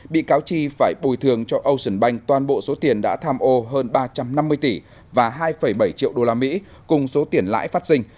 bị cáo chi phải bồi thường cho ocean bank toàn bộ số tiền đã tham ô hơn ba trăm năm mươi tỷ và hai bảy triệu usd cùng số tiền lãi phát sinh